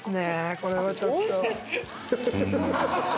これはちょっと。